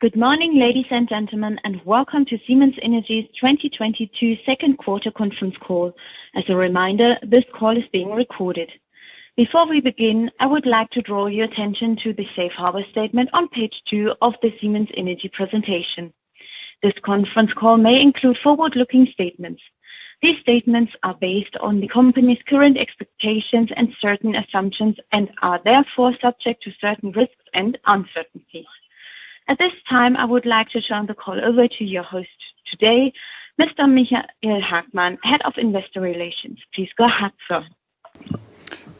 Good morning, ladies and gentlemen, and welcome to Siemens Energy's 2022 second quarter conference call. As a reminder, this call is being recorded. Before we begin, I would like to draw your attention to the Safe Harbor statement on page two of the Siemens Energy presentation. This conference call may include forward-looking statements. These statements are based on the company's current expectations and certain assumptions and are therefore subject to certain risks and uncertainties. At this time, I would like to turn the call over to your host today, Mr. Michael Hagmann, Head of Investor Relations. Please go ahead, sir.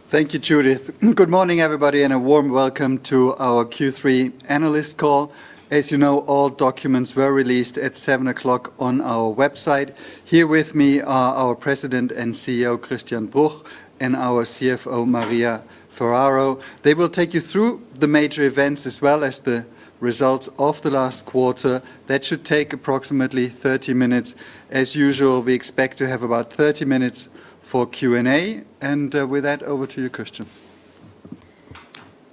Thank you, Judith. Good morning, everybody, and a warm welcome to our Q3 analyst call. As you know, all documents were released at seven o'clock on our website. Here with me are our President and CEO, Christian Bruch, and our CFO, Maria Ferraro. They will take you through the major events as well as the results of the last quarter. That should take approximately 30 minutes. As usual, we expect to have about 30 minutes for Q&A. With that, over to you, Christian.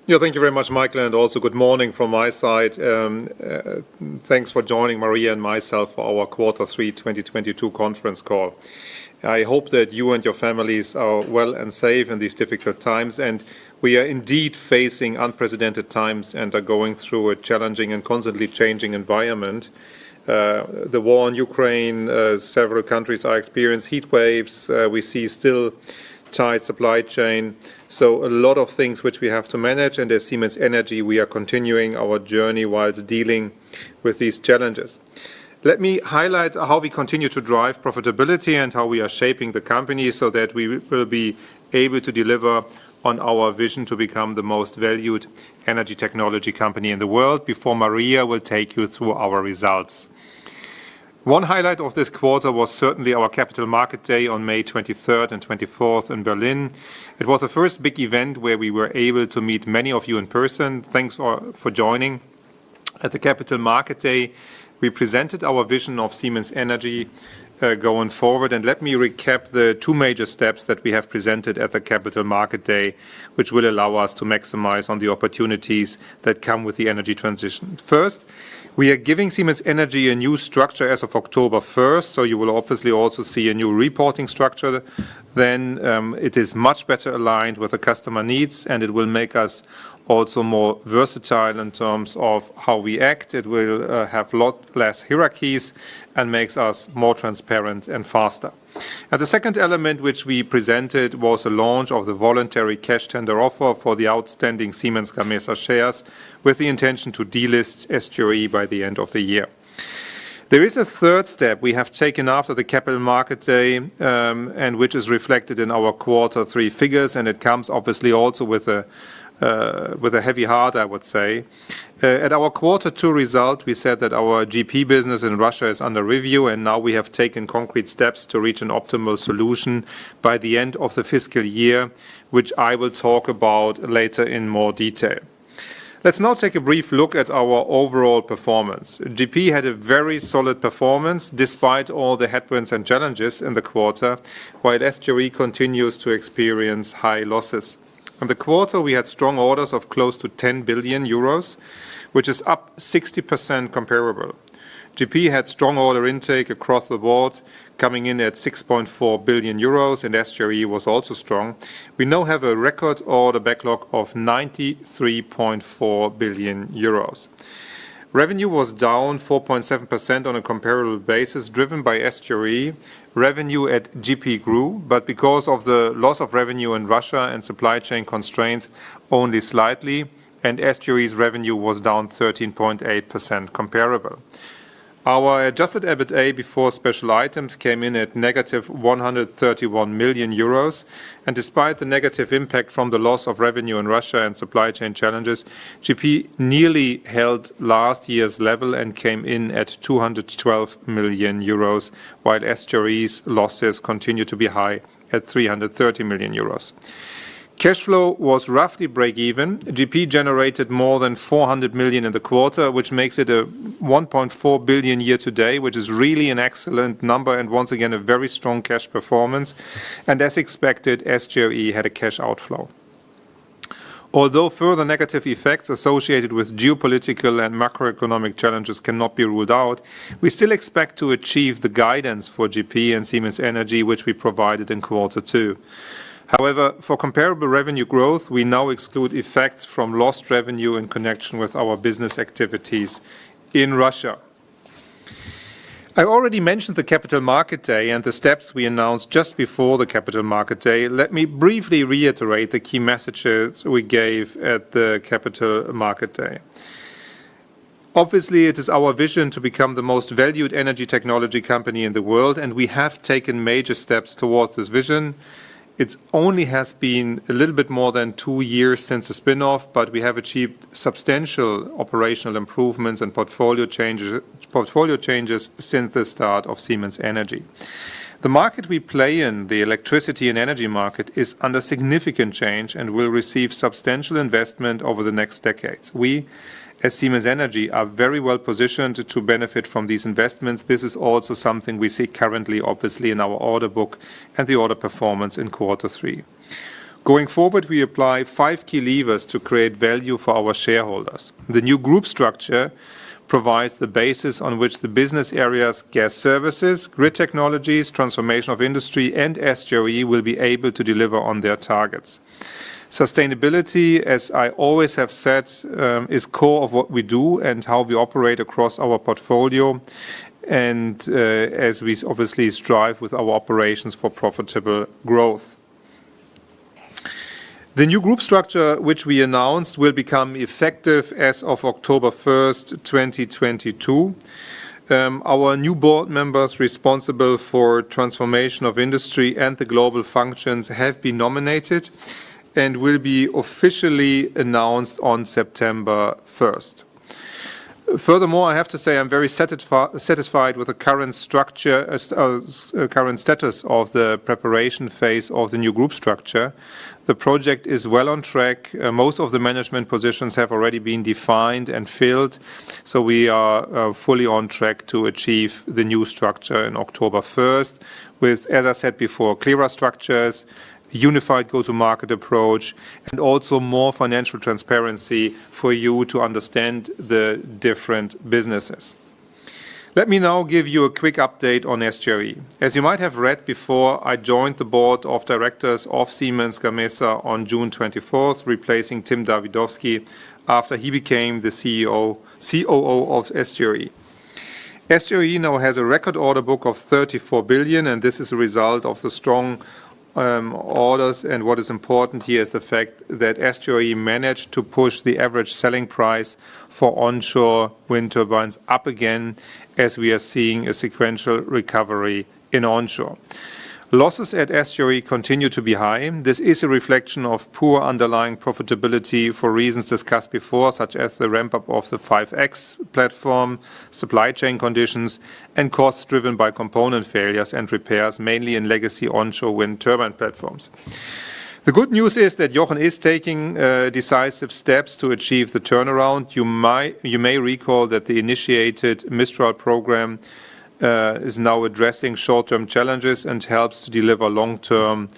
Yeah. Thank you very much, Michael, and also good morning from my side. Thanks for joining Maria and myself for our quarter three 2022 conference call. I hope that you and your families are well and safe in these difficult times, and we are indeed facing unprecedented times and are going through a challenging and constantly changing environment. The war in Ukraine, several countries are experienced heat waves. We see still tight supply chain, so a lot of things which we have to manage. As Siemens Energy, we are continuing our journey while dealing with these challenges. Let me highlight how we continue to drive profitability and how we are shaping the company so that we will be able to deliver on our vision to become the most valued energy technology company in the world before Maria will take you through our results. One highlight of this quarter was certainly our Capital Market Day on May 23rd and 24th in Berlin. It was the first big event where we were able to meet many of you in person. Thanks for joining. At the Capital Market Day, we presented our vision of Siemens Energy going forward, and let me recap the two major steps that we have presented at the Capital Market Day, which will allow us to maximize on the opportunities that come with the energy transition. First, we are giving Siemens Energy a new structure as of October 1st, so you will obviously also see a new reporting structure. It is much better aligned with the customer needs, and it will make us also more versatile in terms of how we act. It will have a lot less hierarchies and makes us more transparent and faster. Now, the second element which we presented was the launch of the voluntary cash tender offer for the outstanding Siemens Gamesa shares with the intention to delist SGRE by the end of the year. There is a third step we have taken after the Capital Market Day, and which is reflected in our quarter three figures, and it comes obviously also with a heavy heart, I would say. At our quarter two result, we said that our GP business in Russia is under review, and now we have taken concrete steps to reach an optimal solution by the end of the fiscal year, which I will talk about later in more detail. Let's now take a brief look at our overall performance. GP had a very solid performance despite all the headwinds and challenges in the quarter, while SGRE continues to experience high losses. In the quarter, we had strong orders of close to 10 billion euros, which is up 60% comparable. GP had strong order intake across the board, coming in at 6.4 billion euros, and SGRE was also strong. We now have a record order backlog of 93.4 billion euros. Revenue was down 4.7% on a comparable basis, driven by SGRE. Revenue at GP grew, but because of the loss of revenue in Russia and supply chain constraints only slightly, and SGRE's revenue was down 13.8% comparable. Our adjusted EBITA before special items came in at -131 million euros. Despite the negative impact from the loss of revenue in Russia and supply chain challenges, GP nearly held last year's level and came in at 212 million euros, while SGRE's losses continued to be high at 330 million euros. Cash flow was roughly break even. GP generated more than 400 million in the quarter, which makes it a 1.4 billion year to date, which is really an excellent number and once again, a very strong cash performance. As expected, SGRE had a cash outflow. Although further negative effects associated with geopolitical and macroeconomic challenges cannot be ruled out, we still expect to achieve the guidance for GP and Siemens Energy, which we provided in quarter two. However, for comparable revenue growth, we now exclude effects from lost revenue in connection with our business activities in Russia. I already mentioned the Capital Market Day and the steps we announced just before the Capital Market Day. Let me briefly reiterate the key messages we gave at the Capital Market Day. Obviously, it is our vision to become the most valued energy technology company in the world, and we have taken major steps towards this vision. It only has been a little bit more than two years since the spin-off, but we have achieved substantial operational improvements and portfolio changes since the start of Siemens Energy. The market we play in, the electricity and energy market, is under significant change and will receive substantial investment over the next decades. We, as Siemens Energy, are very well-positioned to benefit from these investments. This is also something we see currently, obviously, in our order book and the order performance in quarter three. Going forward, we apply five key levers to create value for our shareholders. The new group structure provides the basis on which the business areas Gas Services, Grid Technologies, Transformation of Industry, and SGRE will be able to deliver on their targets. Sustainability, as I always have said, is core of what we do and how we operate across our portfolio and, as we obviously strive with our operations for profitable growth. The new group structure which we announced will become effective as of October 1st, 2022. Our new board members responsible for Transformation of Industry and the global functions have been nominated and will be officially announced on September 1st. Furthermore, I have to say I'm very satisfied with the current structure as current status of the preparation phase of the new group structure. The project is well on track. Most of the management positions have already been defined and filled, so we are fully on track to achieve the new structure in October 1st with, as I said before, clearer structures, unified go-to-market approach, and also more financial transparency for you to understand the different businesses. Let me now give you a quick update on SGRE. As you might have read before, I joined the board of directors of Siemens Gamesa on June 24th, replacing Tim Oliver Holt after he became the COO of SGRE. SGRE now has a record order book of 34 billion, and this is a result of the strong orders. What is important here is the fact that SGRE managed to push the average selling price for onshore wind turbines up again as we are seeing a sequential recovery in onshore. Losses at SGRE continue to be high. This is a reflection of poor underlying profitability for reasons discussed before, such as the ramp-up of the 5x platform, supply chain conditions, and costs driven by component failures and repairs, mainly in legacy onshore wind turbine platforms. The good news is that Jochen is taking decisive steps to achieve the turnaround. You may recall that the initiated Mistral program is now addressing short-term challenges and helps to deliver long-term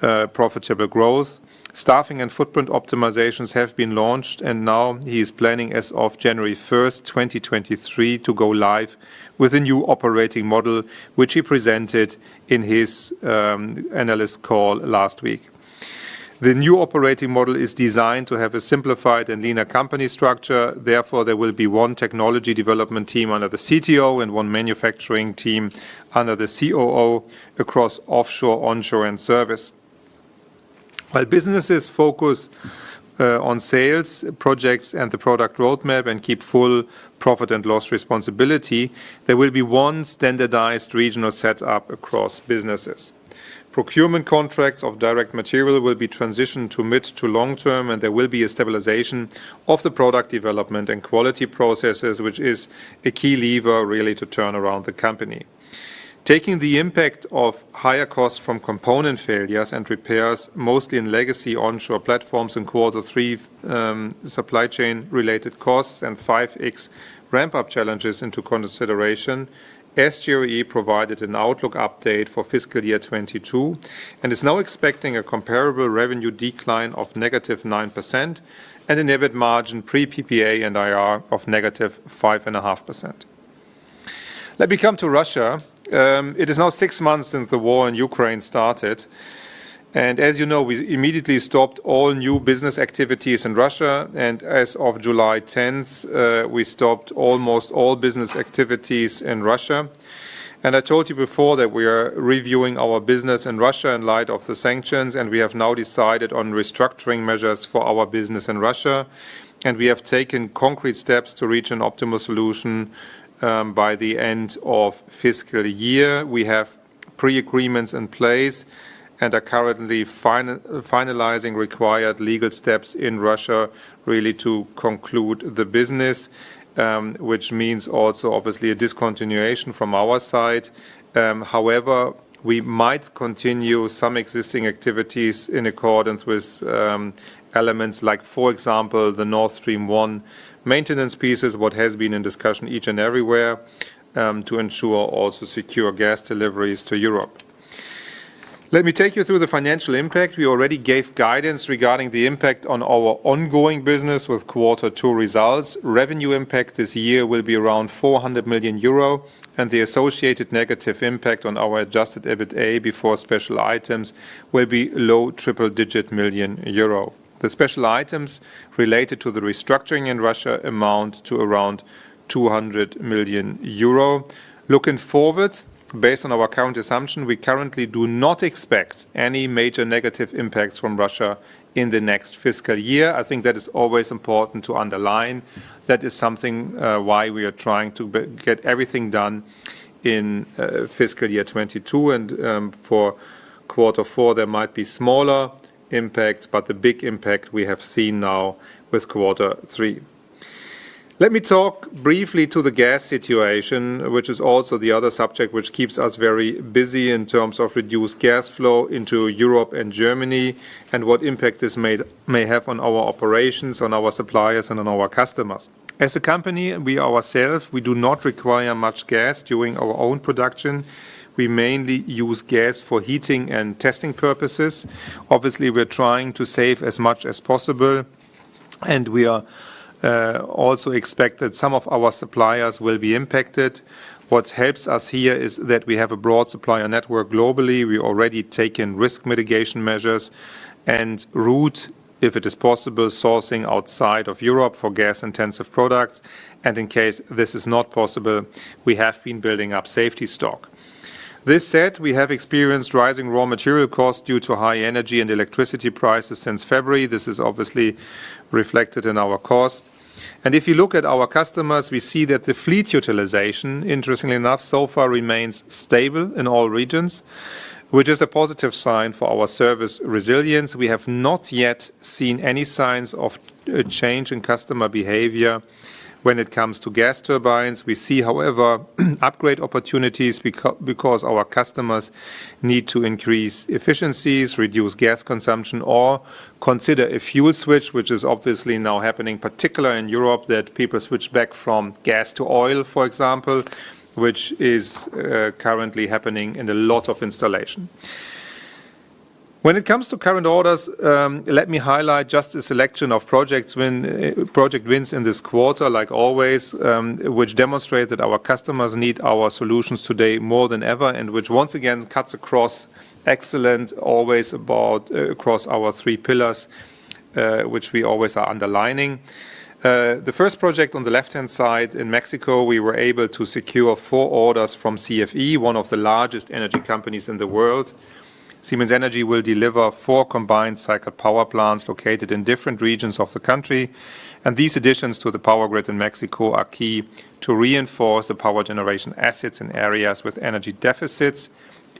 profitable growth. Staffing and footprint optimizations have been launched, and now he is planning, as of January 1st, 2023, to go live with a new operating model which he presented in his analyst call last week. The new operating model is designed to have a simplified and leaner company structure. Therefore, there will be one technology development team under the CTO and one manufacturing team under the COO across offshore, onshore, and service. While businesses focus on sales projects and the product roadmap and keep full profit and loss responsibility, there will be one standardized regional set-up across businesses. Procurement contracts of direct material will be transitioned to mid- to long-term, and there will be a stabilization of the product development and quality processes, which is a key lever really to turn around the company. Taking the impact of higher costs from component failures and repairs, mostly in legacy onshore platforms in quarter three, supply chain-related costs and 5x ramp-up challenges into consideration, SGRE provided an outlook update for fiscal year 2022 and is now expecting a comparable revenue decline of -9% and an EBIT margin pre PPA and IR of -5.5%. Let me come to Russia. It is now six months since the war in Ukraine started, and as you know, we immediately stopped all new business activities in Russia, and as of July 10th, we stopped almost all business activities in Russia. I told you before that we are reviewing our business in Russia in light of the sanctions, and we have now decided on restructuring measures for our business in Russia, and we have taken concrete steps to reach an optimal solution by the end of fiscal year. We have pre-agreements in place and are currently finalizing required legal steps in Russia to conclude the business, which means also obviously a discontinuation from our side. However, we might continue some existing activities in accordance with elements like, for example, the Nord Stream 1 maintenance pieces, what has been in discussion everywhere, to ensure also secure gas deliveries to Europe. Let me take you through the financial impact. We already gave guidance regarding the impact on our ongoing business with quarter two results. Revenue impact this year will be around 400 million euro, and the associated negative impact on our adjusted EBITDA before special items will be low triple-digit million euro. The special items related to the restructuring in Russia amount to around 200 million euro. Looking forward, based on our current assumption, we currently do not expect any major negative impacts from Russia in the next fiscal year. I think that is always important to underline. That is something why we are trying to get everything done in fiscal year 2022, and for quarter four there might be smaller impacts. The big impact we have seen now with quarter three. Let me talk briefly about the gas situation, which is also the other subject which keeps us very busy in terms of reduced gas flow into Europe and Germany and what impact this may have on our operations, on our suppliers, and on our customers. As a company, we ourselves, we do not require much gas during our own production. We mainly use gas for heating and testing purposes. Obviously, we're trying to save as much as possible. We are also expecting that some of our suppliers will be impacted. What helps us here is that we have a broad supplier network globally. We have already taken risk mitigation measures and reroute, if it is possible, sourcing outside of Europe for gas-intensive products. In case this is not possible, we have been building up safety stock. That said, we have experienced rising raw material costs due to high energy and electricity prices since February. This is obviously reflected in our cost. If you look at our customers, we see that the fleet utilization, interestingly enough, so far remains stable in all regions, which is a positive sign for our service resilience. We have not yet seen any signs of a change in customer behavior when it comes to gas turbines. We see, however, upgrade opportunities because our customers need to increase efficiencies, reduce gas consumption, or consider a fuel switch, which is obviously now happening, particularly in Europe, that people switch back from gas to oil, for example, which is currently happening in a lot of installation. When it comes to current orders, let me highlight just a selection of project wins in this quarter, like always, which demonstrate that our customers need our solutions today more than ever, and which once again cuts across our three pillars, which we always are underlining. The first project on the left-hand side in Mexico, we were able to secure four orders from CFE, one of the largest energy companies in the world. Siemens Energy will deliver four combined cycle power plants located in different regions of the country, and these additions to the power grid in Mexico are key to reinforce the power generation assets in areas with energy deficits,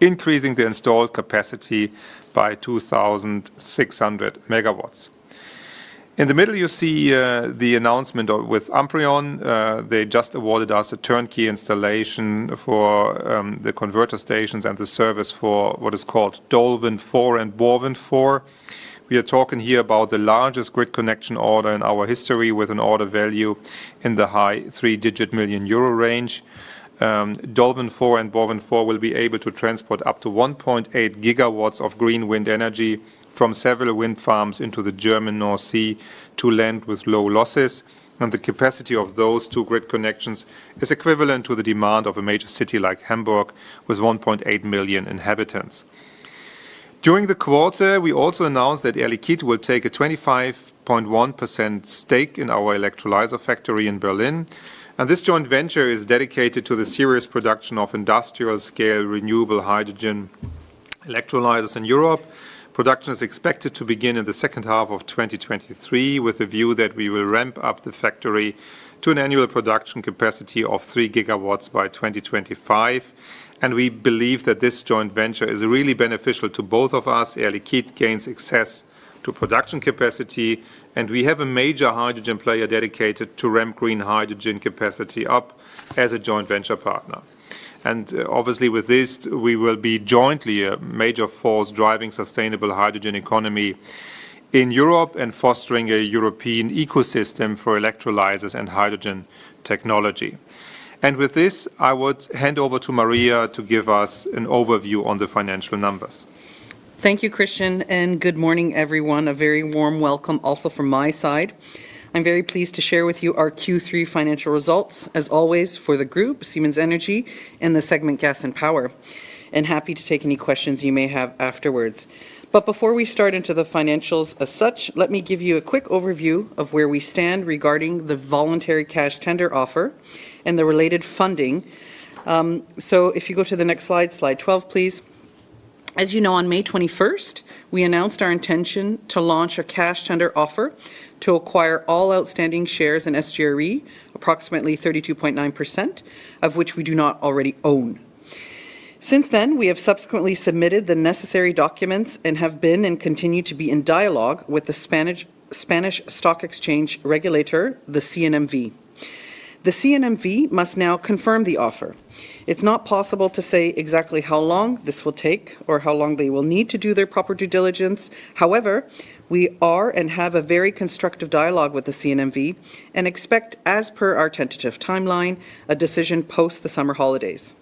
increasing the installed capacity by 2,600 MW. In the middle, you see the announcement with Amprion. They just awarded us a turnkey installation for the converter stations and the service for what is called DolWin4 and BorWin4. We are talking here about the largest grid connection order in our history with an order value in the high three-digit million EUR range. DolWin4 and BorWin4 will be able to transport up to 1.8 GW of green wind energy from several wind farms into the German North Sea to land with low losses. The capacity of those two grid connections is equivalent to the demand of a major city like Hamburg with 1.8 million inhabitants. During the quarter, we also announced that Air Liquide will take a 25.1% stake in our electrolyzer factory in Berlin. This joint venture is dedicated to the series production of industrial-scale renewable hydrogen electrolyzers in Europe. Production is expected to begin in the second half of 2023, with a view that we will ramp up the factory to an annual production capacity of 3 GW by 2025. We believe that this joint venture is really beneficial to both of us. Air Liquide gains access to production capacity, and we have a major hydrogen player dedicated to ramp green hydrogen capacity up as a joint venture partner. Obviously with this, we will be jointly a major force driving sustainable hydrogen economy in Europe and fostering a European ecosystem for electrolyzers and hydrogen technology. With this, I would hand over to Maria to give us an overview on the financial numbers. Thank you, Christian, and good morning, everyone. A very warm welcome also from my side. I'm very pleased to share with you our Q3 financial results, as always, for the group, Siemens Energy, and the segment Gas and Power, and happy to take any questions you may have afterwards. Before we start into the financials as such, let me give you a quick overview of where we stand regarding the voluntary cash tender offer and the related funding. If you go to the next slide 12, please. As you know, on May 21st, we announced our intention to launch a cash tender offer to acquire all outstanding shares in SGRE, approximately 32.9% of which we do not already own. Since then, we have subsequently submitted the necessary documents and have been and continue to be in dialogue with the Spanish Stock Exchange regulator, the CNMV. The CNMV must now confirm the offer. It's not possible to say exactly how long this will take or how long they will need to do their proper due diligence. However, we are and have a very constructive dialogue with the CNMV and expect, as per our tentative timeline, a decision post the summer holidays.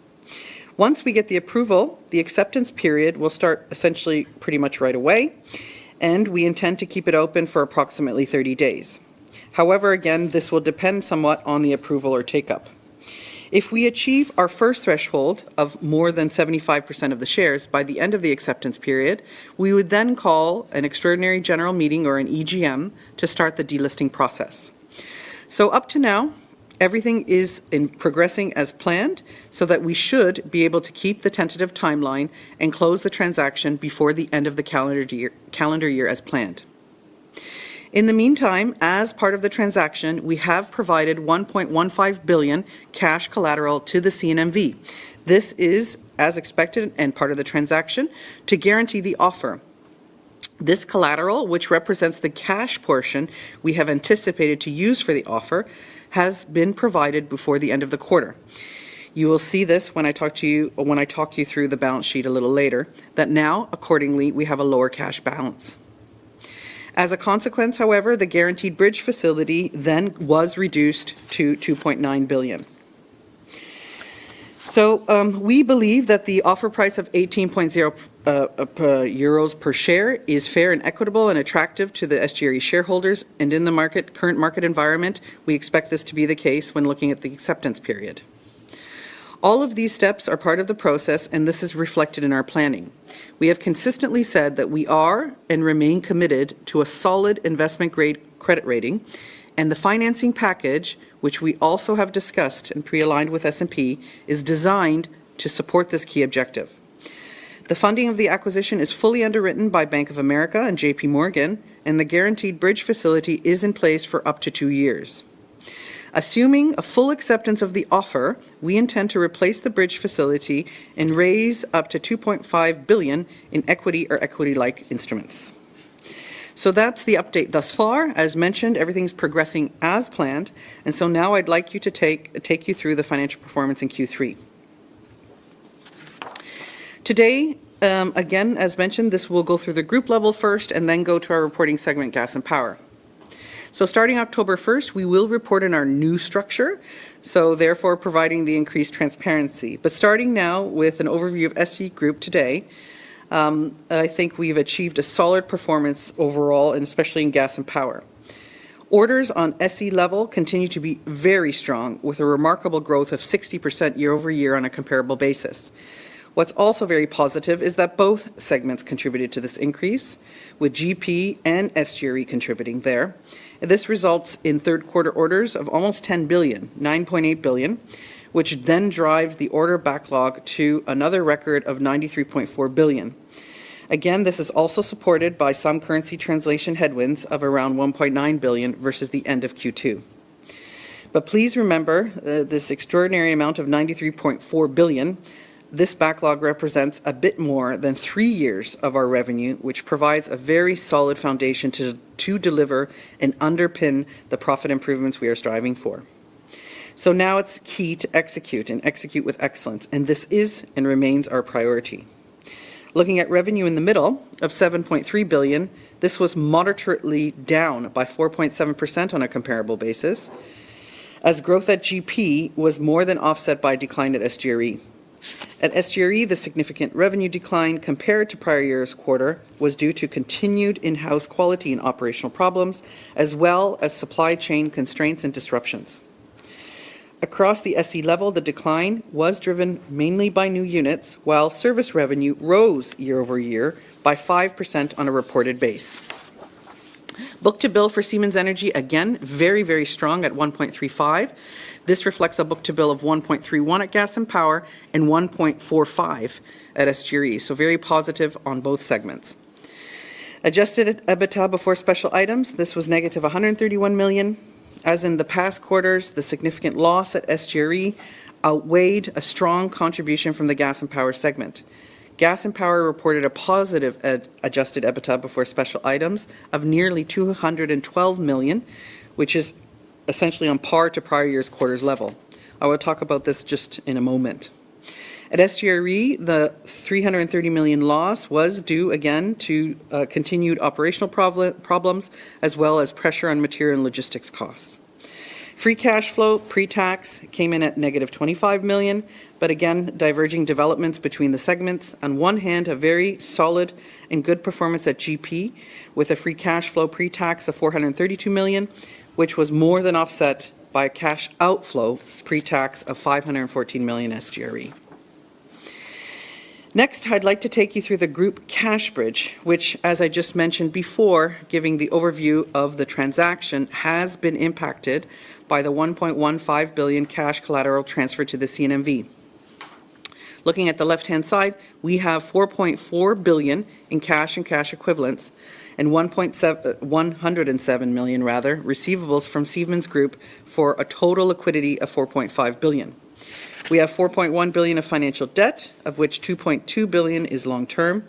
Once we get the approval, the acceptance period will start essentially pretty much right away, and we intend to keep it open for approximately 30 days. However, again, this will depend somewhat on the approval or take-up. If we achieve our first threshold of more than 75% of the shares by the end of the acceptance period, we would then call an extraordinary general meeting or an EGM to start the delisting process. Up to now, everything is progressing as planned so that we should be able to keep the tentative timeline and close the transaction before the end of the calendar year as planned. In the meantime, as part of the transaction, we have provided 1.15 billion cash collateral to the CNMV. This is as expected and part of the transaction to guarantee the offer. This collateral, which represents the cash portion we have anticipated to use for the offer, has been provided before the end of the quarter. You will see this when I talk to you or when I talk you through the balance sheet a little later, that now accordingly, we have a lower cash balance. As a consequence, however, the guaranteed bridge facility then was reduced to 2.9 billion. We believe that the offer price of 18.0 euros per share is fair and equitable and attractive to the SGRE shareholders. In the current market environment, we expect this to be the case when looking at the acceptance period. All of these steps are part of the process, and this is reflected in our planning. We have consistently said that we are and remain committed to a solid investment-grade credit rating, and the financing package, which we also have discussed and pre-aligned with S&P, is designed to support this key objective. The funding of the acquisition is fully underwritten by Bank of America and JPMorgan, and the guaranteed bridge facility is in place for up to two years. Assuming a full acceptance of the offer, we intend to replace the bridge facility and raise up to 2.5 billion in equity or equity-like instruments. That's the update thus far. As mentioned, everything's progressing as planned. Now I'd like to take you through the financial performance in Q3. Today, again, as mentioned, this will go through the group level first and then go to our reporting segment, Gas and Power. Starting October first, we will report in our new structure, so therefore providing the increased transparency. Starting now with an overview of SE Group today, I think we've achieved a solid performance overall, and especially in Gas and Power. Orders on SE level continue to be very strong, with a remarkable growth of 60% year-over-year on a comparable basis. What's also very positive is that both segments contributed to this increase, with GP and SGRE contributing there. This results in third quarter orders of almost 10 billion, 9.8 billion, which then drives the order backlog to another record of 93.4 billion. Again, this is also supported by some currency translation headwinds of around 1.9 billion versus the end of Q2. Please remember, this extraordinary amount of 93.4 billion, this backlog represents a bit more than three years of our revenue, which provides a very solid foundation to deliver and underpin the profit improvements we are striving for. Now it's key to execute with excellence, and this remains our priority. Looking at revenue in the middle of 7.3 billion, this was moderately down by 4.7% on a comparable basis, as growth at GP was more than offset by decline at SGRE. At SGRE, the significant revenue decline compared to prior year's quarter was due to continued in-house quality and operational problems, as well as supply chain constraints and disruptions. Across the SE level, the decline was driven mainly by new units, while service revenue rose year-over-year by 5% on a reported base. Book-to-bill for Siemens Energy, again, very, very strong at 1.35. This reflects a book-to-bill of 1.31 at Gas and Power and 1.45 at SGRE. Very positive on both segments. Adjusted EBITDA before special items, this was -131 million. As in the past quarters, the significant loss at SGRE outweighed a strong contribution from the Gas and Power segment. Gas and Power reported a positive adjusted EBITDA before special items of nearly 212 million, which is essentially on par with prior year's quarter level. I will talk about this just in a moment. At SGRE, the 330 million loss was due, again, to continued operational problems, as well as pressure on material and logistics costs. Free cash flow pre-tax came in at -25 million, but again, diverging developments between the segments. On one hand, a very solid and good performance at GP with a free cash flow pre-tax of 432 million, which was more than offset by a cash outflow pre-tax of 514 million at SGRE. Next, I'd like to take you through the group cash bridge, which as I just mentioned before, giving the overview of the transaction, has been impacted by the 1.15 billion cash collateral transferred to the CNMV. Looking at the left-hand side, we have 4.4 billion in cash and cash equivalents and 107 million rather receivables from Siemens Group for a total liquidity of 4.5 billion. We have 4.1 billion of financial debt, of which 2.2 billion is long-term.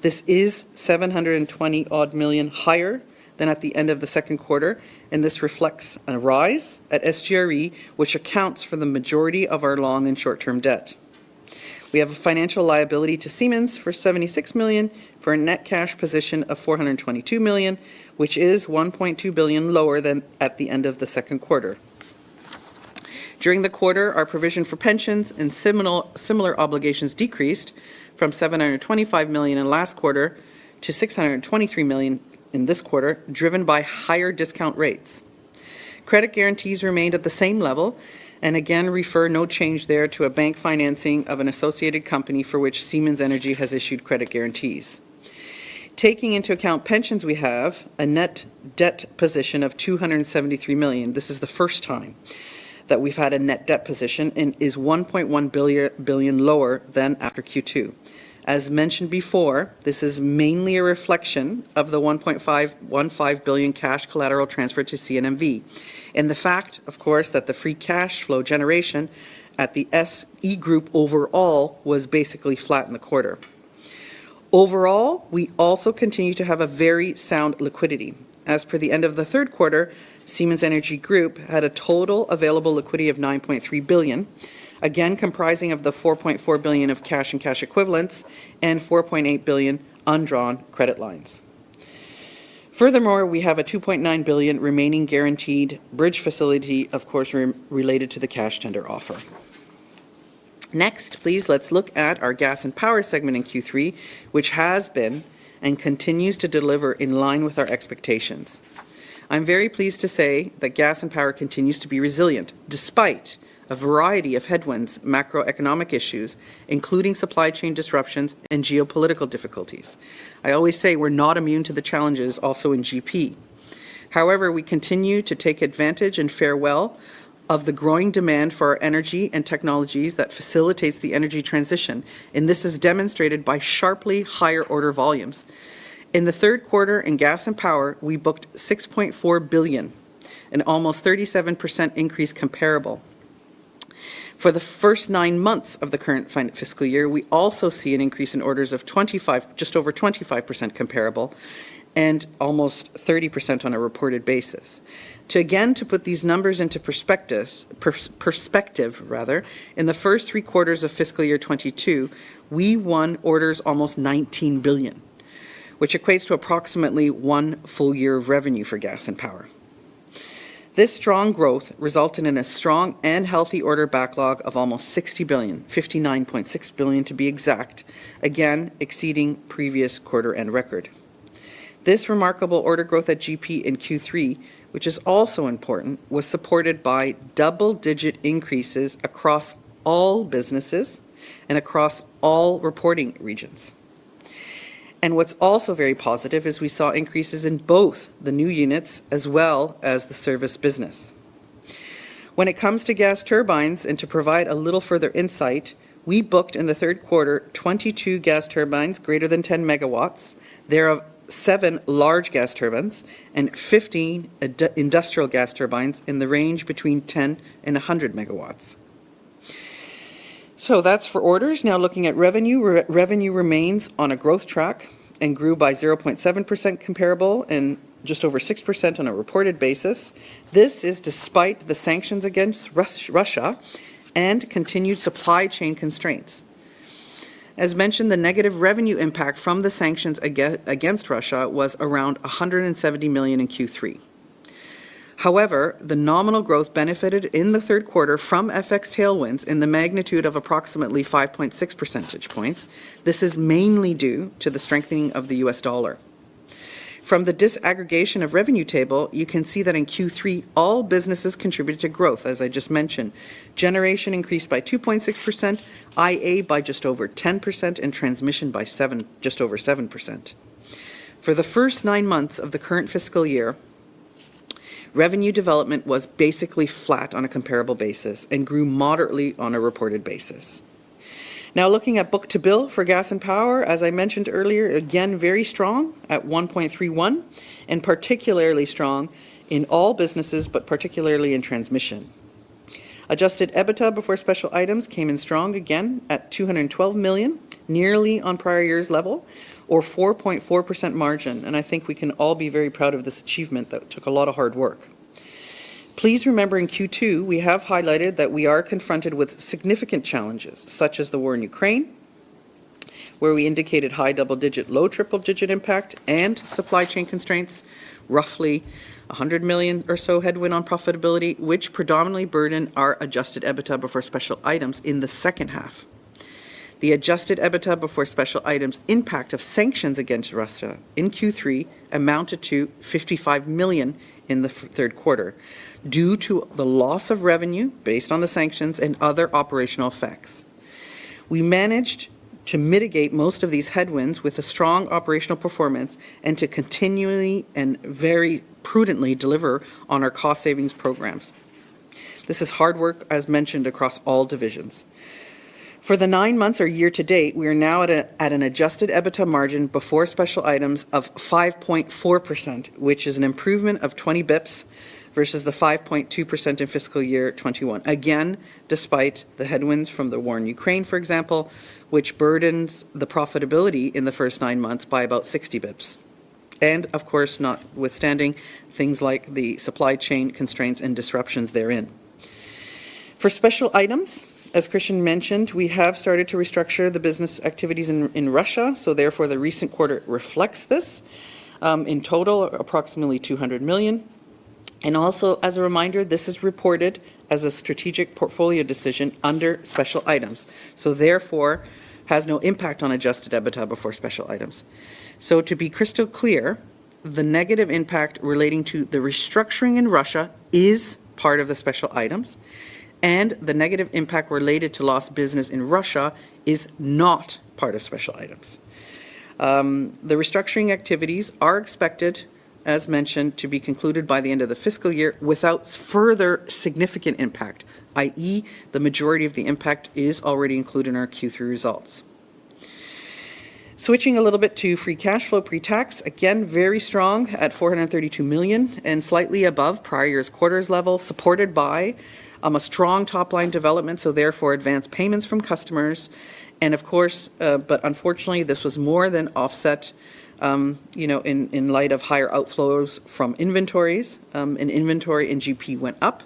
This is 720 million odd higher than at the end of the second quarter, and this reflects a rise at SGRE, which accounts for the majority of our long and short-term debt. We have a financial liability to Siemens for 76 million for a net cash position of 422 million, which is 1.2 billion lower than at the end of the second quarter. During the quarter, our provision for pensions and similar obligations decreased from 725 million in last quarter to 623 million in this quarter, driven by higher discount rates. Credit guarantees remained at the same level and again there is no change there to a bank financing of an associated company for which Siemens Energy has issued credit guarantees. Taking into account pensions, we have a net debt position of 273 million. This is the first time that we've had a net debt position and is 1.1 billion lower than after Q2. As mentioned before, this is mainly a reflection of the 1.5 billion cash collateral transferred to CNMV and the fact, of course, that the free cash flow generation at the SE group overall was basically flat in the quarter. Overall, we also continue to have a very sound liquidity. As per the end of the third quarter, Siemens Energy Group had a total available liquidity of 9.3 billion, again comprising of the 4.4 billion of cash and cash equivalents and 4.8 billion undrawn credit lines. Furthermore, we have a 2.9 billion remaining guaranteed bridge facility, of course, related to the cash tender offer. Next, please, let's look at our Gas and Power segment in Q3, which has been and continues to deliver in line with our expectations. I'm very pleased to say that Gas and Power continues to be resilient despite a variety of headwinds, macroeconomic issues, including supply chain disruptions and geopolitical difficulties. I always say we're not immune to the challenges also in GP. However, we continue to take advantage and fare well of the growing demand for our energy and technologies that facilitates the energy transition, and this is demonstrated by sharply higher order volumes. In the third quarter in Gas and Power, we booked 6.4 billion, an almost 37% increase comparable. For the first nine months of the current fiscal year, we also see an increase in orders of just over 25% comparable and almost 30% on a reported basis. To put these numbers into perspective rather, in the first three quarters of fiscal year 2022, we won orders almost 19 billion, which equates to approximately one full year of revenue for Gas and Power. This strong growth resulted in a strong and healthy order backlog of almost 60 billion, 59.6 billion to be exact, again exceeding previous quarter and record. This remarkable order growth at GP in Q3, which is also important, was supported by double-digit increases across all businesses and across all reporting regions. What's also very positive is we saw increases in both the new units as well as the service business. When it comes to gas turbines, and to provide a little further insight, we booked in the third quarter 2022 gas turbines greater than 10 megawatts. There are seven large gas turbines and 15 industrial gas turbines in the range between 10 MW and 100 MW. That's for orders. Now looking at revenue. Revenue remains on a growth track and grew by 0.7% comparable and just over 6% on a reported basis. This is despite the sanctions against Russia and continued supply chain constraints. As mentioned, the negative revenue impact from the sanctions against Russia was around 170 million in Q3. However, the nominal growth benefited in the third quarter from FX tailwinds in the magnitude of approximately 5.6 percentage points. This is mainly due to the strengthening of the U.S. dollar. From the disaggregation of revenue table, you can see that in Q3, all businesses contributed to growth, as I just mentioned. Generation increased by 2.6%, IA by just over 10%, and transmission by 7%, just over 7%. For the first nine months of the current fiscal year, revenue development was basically flat on a comparable basis and grew moderately on a reported basis. Now looking at book-to-bill for Gas and Power, as I mentioned earlier, again, very strong at 1.31, and particularly strong in all businesses, but particularly in transmission. Adjusted EBITDA before special items came in strong again at 212 million, nearly on prior year's level or 4.4% margin. I think we can all be very proud of this achievement that took a lot of hard work. Please remember in Q2, we have highlighted that we are confronted with significant challenges, such as the war in Ukraine, where we indicated high double digit, low triple digit impact and supply chain constraints, roughly 100 million or so headwind on profitability, which predominantly burden our adjusted EBITDA before special items in the second half. The adjusted EBITDA before special items impact of sanctions against Russia in Q3 amounted to 55 million in the third quarter due to the loss of revenue based on the sanctions and other operational effects. We managed to mitigate most of these headwinds with a strong operational performance and to continually and very prudently deliver on our cost savings programs. This is hard work, as mentioned, across all divisions. For the nine months or year to date, we are now at an adjusted EBITDA margin before special items of 5.4%, which is an improvement of 20 basis points versus the 5.2% in fiscal year 2021. Again, despite the headwinds from the war in Ukraine, for example, which burdens the profitability in the first nine months by about 60 basis points. Of course, notwithstanding things like the supply chain constraints and disruptions therein. For special items, as Christian mentioned, we have started to restructure the business activities in Russia, so therefore the recent quarter reflects this, in total approximately 200 million. Also as a reminder, this is reported as a strategic portfolio decision under special items, so therefore has no impact on adjusted EBITDA before special items. To be crystal clear, the negative impact relating to the restructuring in Russia is part of the special items, and the negative impact related to lost business in Russia is not part of special items. The restructuring activities are expected, as mentioned, to be concluded by the end of the fiscal year without further significant impact, i.e., the majority of the impact is already included in our Q3 results. Switching a little bit to free cash flow pre-tax, again, very strong at 432 million and slightly above prior year's quarters level, supported by a strong top-line development, so therefore advanced payments from customers. Of course, but unfortunately, this was more than offset, you know, in light of higher outflows from inventories, and inventory in GP went up.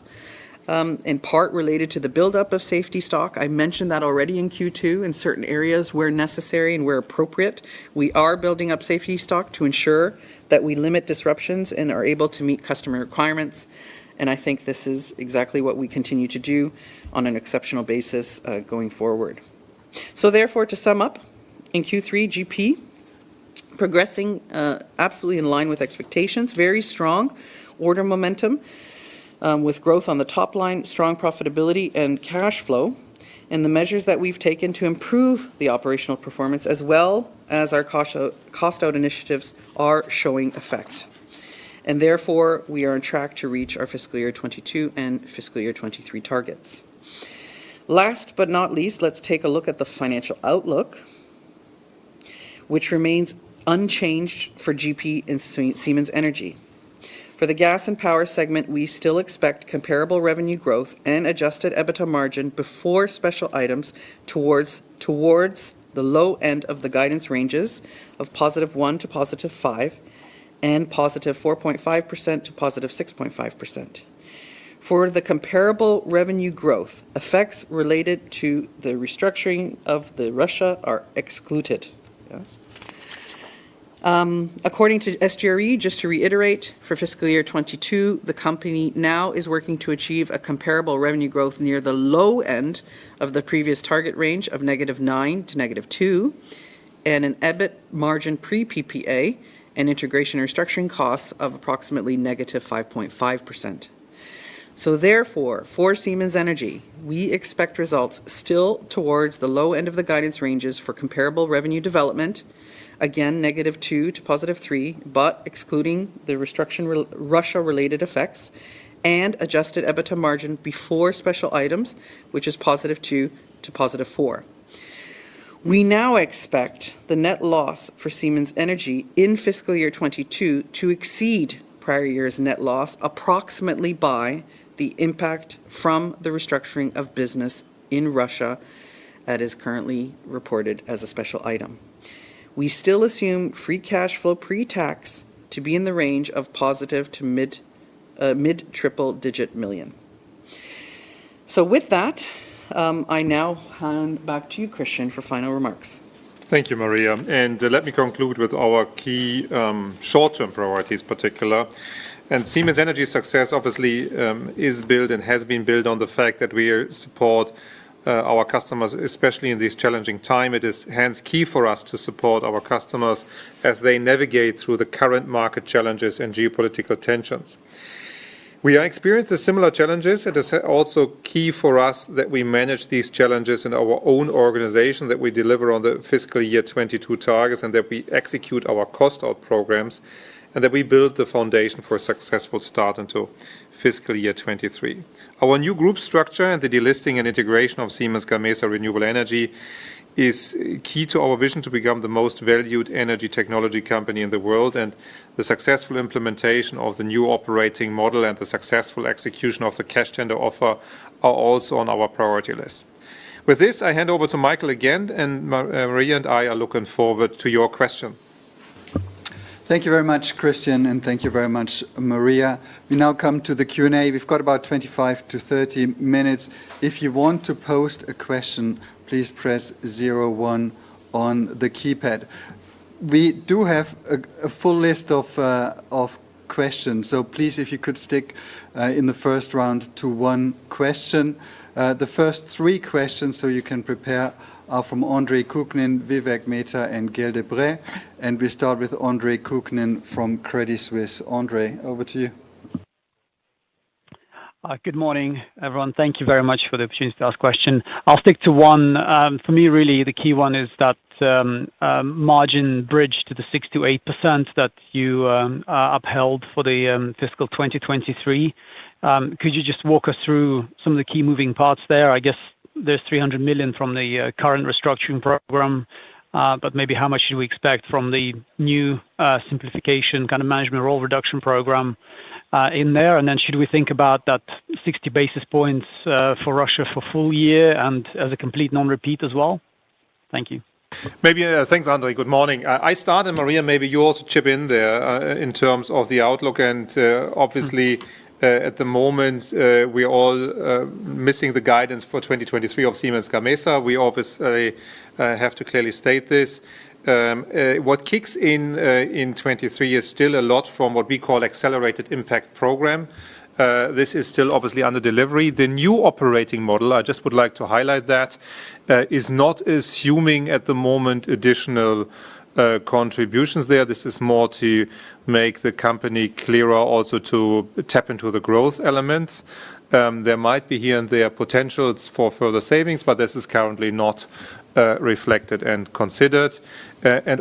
In part related to the buildup of safety stock. I mentioned that already in Q2 in certain areas where necessary and where appropriate. We are building up safety stock to ensure that we limit disruptions and are able to meet customer requirements, and I think this is exactly what we continue to do on an exceptional basis, going forward. Therefore, to sum up, in Q3, GP progressing, absolutely in line with expectations. Very strong order momentum, with growth on the top line, strong profitability and cash flow. The measures that we've taken to improve the operational performance as well as our cost out initiatives are showing effect. Therefore, we are on track to reach our fiscal year 2022 and fiscal year 2023 targets. Last but not least, let's take a look at the financial outlook, which remains unchanged for GP and Siemens Energy. For the gas and power segment, we still expect comparable revenue growth and adjusted EBITDA margin before special items towards the low end of the guidance ranges of +1% to +5% and +4.5% to +6.5%. For the comparable revenue growth, effects related to the restructuring of Russia are excluded. Yes. According to SGRE, just to reiterate, for fiscal year 2022, the company now is working to achieve a comparable revenue growth near the low end of the previous target range of -9% to -2%, and an EBIT margin pre PPA and Integration and Restructuring costs of approximately -5.5%. For Siemens Energy, we expect results still towards the low end of the guidance ranges for comparable revenue development, again, -2% to +3%, but excluding the restriction Russia-related effects and adjusted EBITDA margin before special items, which is +2% to +4%. We now expect the net loss for Siemens Energy in fiscal year 2022 to exceed prior year's net loss approximately by the impact from the restructuring of business in Russia that is currently reported as a special item. We still assume free cash flow pre-tax to be in the range of positive to mid-triple-digit million. With that, I now hand back to you, Christian, for final remarks. Thank you, Maria. Let me conclude with our key short-term priorities in particular. Siemens Energy success obviously is built and has been built on the fact that we support our customers, especially in these challenging times. It is hence key for us to support our customers as they navigate through the current market challenges and geopolitical tensions. We have experienced similar challenges. It is also key for us that we manage these challenges in our own organization, that we deliver on the fiscal year 2022 targets, and that we execute our cost out programs, and that we build the foundation for a successful start into fiscal year 2023. Our new group structure and the delisting and integration of Siemens Gamesa Renewable Energy is key to our vision to become the most valued energy technology company in the world, and the successful implementation of the new operating model and the successful execution of the cash tender offer are also on our priority list. With this, I hand over to Michael again, and Maria and I are looking forward to your question. Thank you very much, Christian, and thank you very much, Maria. We now come to the Q&A. We've got about 25-30 minutes. If you want to post a question, please press zero one on the keypad. We do have a full list of questions, so please, if you could stick in the first round to one question. The first three questions, so you can prepare, are from Andre Kukhnin, Vivek Midha, and Gael de-Bray. We start with Andre Kukhnin from Credit Suisse. Andre over to you. Good morning, everyone. Thank you very much for the opportunity to ask question. I'll stick to one. For me, really, the key one is that, margin bridge to the 6%-8% that you upheld for the fiscal 2023. Could you just walk us through some of the key moving parts there? I guess there's 300 million from the current restructuring program, but maybe how much should we expect from the new simplification kind of management role reduction program in there? Should we think about that 60 basis points for Russia for full year and as a complete non-repeat as well? Thank you. Maybe, Thanks, Andre. Good morning. I start, and Maria, maybe you also chip in there, in terms of the outlook. Obviously, at the moment, we're all missing the guidance for 2023 of Siemens Gamesa. We obviously have to clearly state this. What kicks in in 2023 is still a lot from what we call Accelerated Impact Program. This is still obviously under delivery. The new operating model I just would like to highlight that, is not assuming at the moment additional contributions there. This is more to make the company clearer also to tap into the growth elements. There might be here and there potentials for further savings, but this is currently not reflected and considered.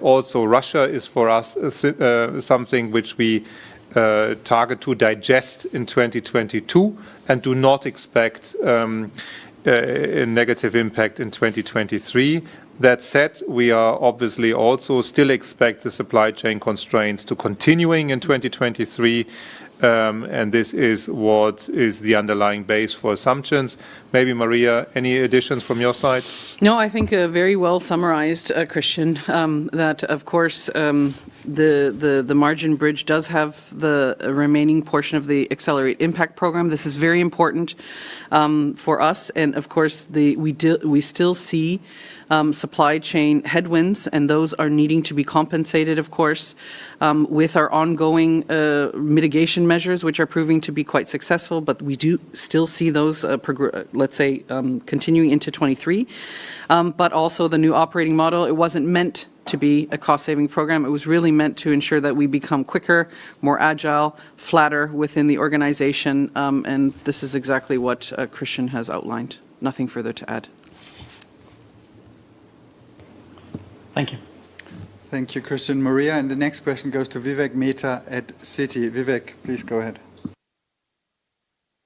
Also Russia is for us something which we target to digest in 2022 and do not expect a negative impact in 2023. That said, we are obviously also still expect the supply chain constraints to continuing in 2023 and this is what is the underlying base for assumptions. Maybe Maria, any additions from your side? No, I think very well summarized, Christian, that of course the margin bridge does have the remaining portion of the Accelerated Impact Program. This is very important for us. Of course we still see supply chain headwinds, and those are needing to be compensated, of course, with our ongoing mitigation measures, which are proving to be quite successful. We do still see those, let's say, continuing into 2023. The new operating model, it wasn't meant to be a cost-saving program. It was really meant to ensure that we become quicker, more agile, flatter within the organization and this is exactly what Christian has outlined. Nothing further to add. Thank you. Thank you, Christian. Maria, the next question goes to Vivek Midha at Citi. Vivek, please go ahead.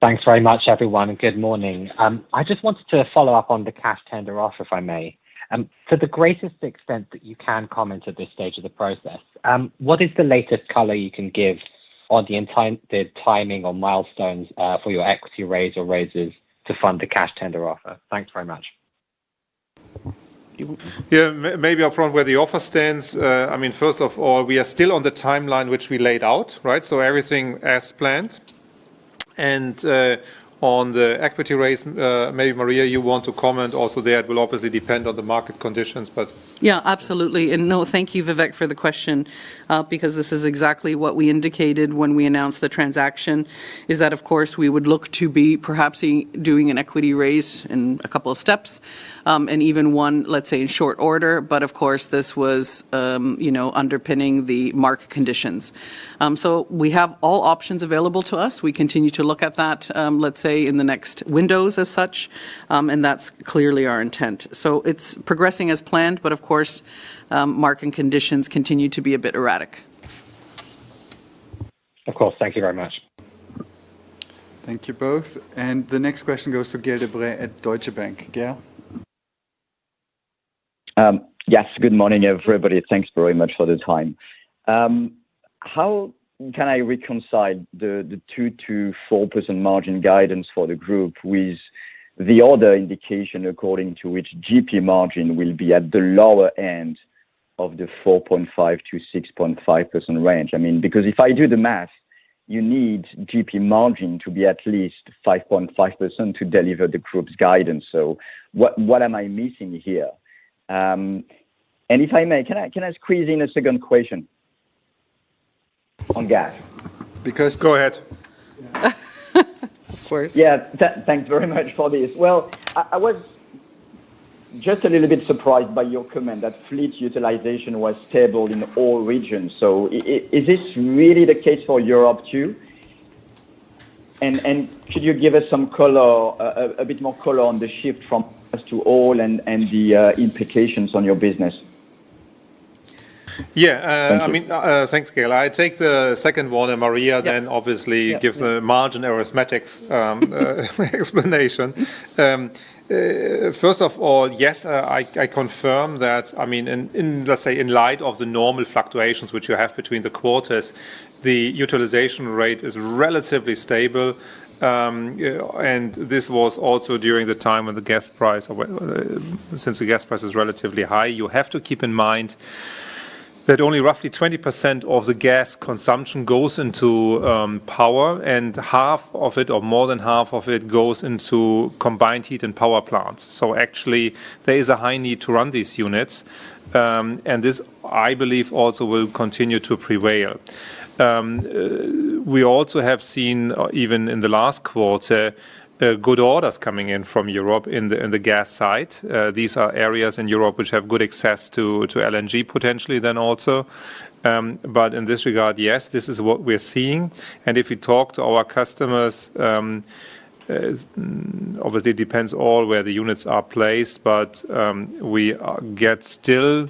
Thanks very much, everyone, and good morning. I just wanted to follow up on the cash tender offer if I may. To the greatest extent that you can comment at this stage of the process, what is the latest color you can give on the timing or milestones for your equity raise or raises to fund the cash tender offer? Thanks very much. You- Yeah. Maybe up front where the offer stands. I mean, first of all, we are still on the timeline which we laid out, right? Everything as planned. On the equity raise, maybe Maria, you want to comment also there. It will obviously depend on the market conditions, but... Yeah, absolutely. No, thank you, Vivek, for the question, because this is exactly what we indicated when we announced the transaction, is that of course, we would look to be perhaps doing an equity raise in a couple of steps, and even one, let's say, in short order. Of course, this was, you know, underpinning the market conditions. We have all options available to us. We continue to look at that, let's say, in the next windows as such. That's clearly our intent. It's progressing as planned, but of course, market conditions continue to be a bit erratic. Of course. Thank you very much. Thank you both. The next question goes to Gael de-Bray at Deutsche Bank. Gael? Yes, good morning, everybody. Thanks very much for the time. How can I reconcile the two to four percent margin guidance for the group with the other indication according to which GP margin will be at the lower end of the four point five to six point five percent range? I mean, because if I do the math, you need GP margin to be at least five point five percent to deliver the group's guidance. What am I missing here? If I may, can I squeeze in a second question on gas? Because go ahead. Of course. Yeah. Thanks very much for this. Well, I was just a little bit surprised by your comment that fleet utilization was stable in all regions. Is this really the case for Europe too? Could you give us some color, a bit more color on the shift from gas to oil and the implications on your business? Yeah. Thank you. Thanks, Gael. I take the second one, and Maria- Yeah.... then obviously gives- Yeah. The margin arithmetic explanation. First of all, yes, I confirm that, I mean, let's say, in light of the normal fluctuations which you have between the quarters, the utilization rate is relatively stable. This was also during the time when the gas price, since the gas price is relatively high. You have to keep in mind that only roughly 20% of the gas consumption goes into power, and half of it, or more than half of it, goes into combined heat and power plants. Actually, there is a high need to run these units. This, I believe, also will continue to prevail. We also have seen, even in the last quarter, good orders coming in from Europe in the gas side. These are areas in Europe which have good access to LNG potentially then also. In this regard, yes, this is what we're seeing. If you talk to our customers, obviously it depends all where the units are placed, but we get still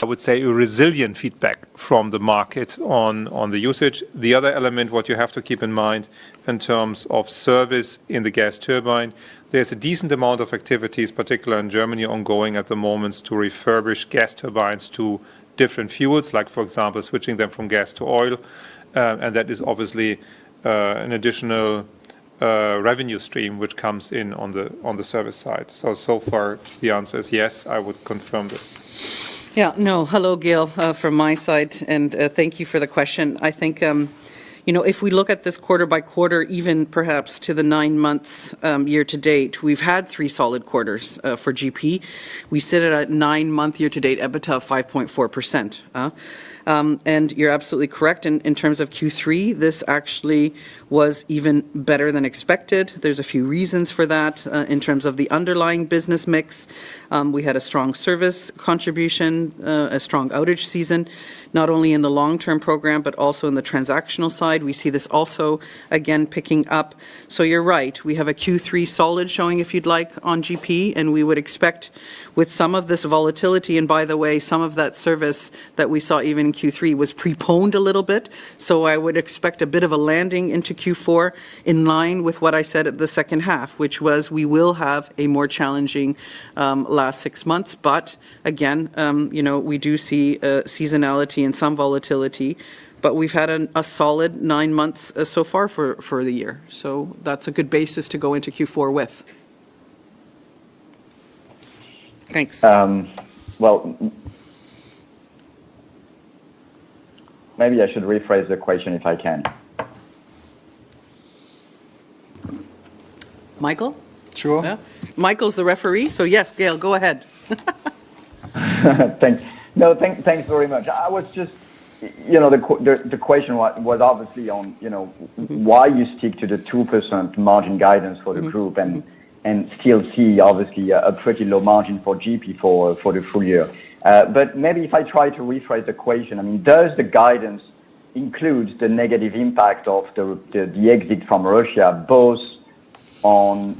I would say a resilient feedback from the market on the usage. The other element, what you have to keep in mind in terms of service in the gas turbine, there's a decent amount of activities, particularly in Germany, ongoing at the moment to refurbish gas turbines to different fuels, like for example, switching them from gas to oil. That is obviously an additional revenue stream which comes in on the service side. So far the answer is yes, I would confirm this. Yeah. No, hello, Gael, from my side, and thank you for the question. I think, you know, if we look at this quarter by quarter, even perhaps to the nine months, year to date, we've had three solid quarters, for GP. We sit at a nine-month year to date EBITDA of 5.4%. You're absolutely correct in terms of Q3, this actually was even better than expected. There's a few reasons for that. In terms of the underlying business mix, we had a strong service contribution, a strong outage season, not only in the long-term program but also in the transactional side. We see this also again picking up. You're right, we have a solid Q3 showing, if you'd like, on GP, and we would expect with some of this volatility, and by the way, some of that service that we saw even in Q3 was preponed a little bit. I would expect a bit of a landing into Q4 in line with what I said at the second half, which was we will have a more challenging last six months. Again, you know, we do see seasonality and some volatility, but we've had a solid nine months so far for the year. That's a good basis to go into Q4 with. Thanks. Well, maybe I should rephrase the question if I can. Michael? Sure. Yeah. Michael's the referee, so yes, Gael, go ahead. Thanks very much. I was just, you know, the question was obviously on, you know, why you stick to the 2% margin guidance for the group and still see obviously a pretty low margin for GP for the full year. Maybe if I try to rephrase the question, I mean, does the guidance includes the negative impact of the exit from Russia, both or